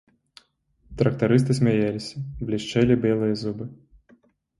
Трактарысты смяяліся, блішчэлі белыя зубы.